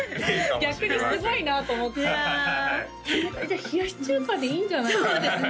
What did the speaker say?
逆にすごいなと思っていやじゃあ冷やし中華でいいんじゃないかなとそうですね